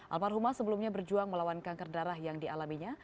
almarhumah sebelumnya berjuang melawan kanker darah yang dialaminya